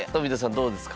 どうですか？